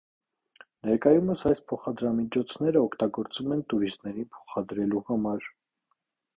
Ներկայումս այս փոխադրամիջոցները օգտագործվում են տուրիստներին փոխադրելու համար։